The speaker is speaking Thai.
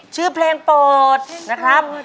ชื่อเพลงโปรดนะครับ